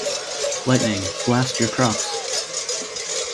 Lightning, blast your crops!